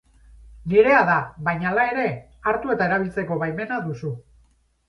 Nirea da baina, hala ere, hartu eta erabiltzeko baimena duzu